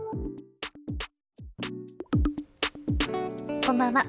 こんばんは。